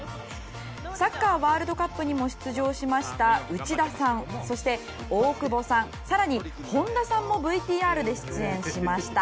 サッカーワールドカップにも出場しました内田さん、大久保さん更に本田さんもＶＴＲで出演しました。